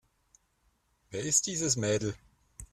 Wer ist dieses Mädel?